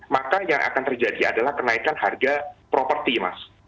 maka yang akan terjadi adalah kenaikan harga properti mas